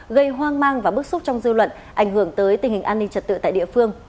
gây hoang mang và bức xúc trong dư luận ảnh hưởng tới tình hình an ninh trật tự tại địa phương